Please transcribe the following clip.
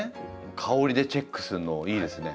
香りでチェックするのいいですね。